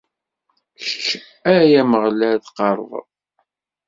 Kečč, ay Ameɣlal tqerrbeḍ!